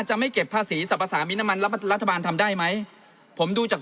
จะไม่เก็บภาษีสรรพสามิตน้ำมันรัฐบาลทำได้ไหมผมดูจาก